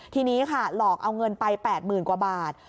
ทีนี้ค่ะหลอกเอาเงินไป๘๐๐๐กว่าบาท